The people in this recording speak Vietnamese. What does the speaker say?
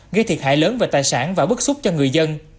gây thiệt hại lớn về tài sản và bức xúc cho người dân